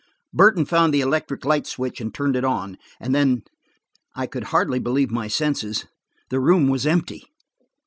Burton found the electric light switch and turned it on. And then–I could hardly believe my senses. The room was empty.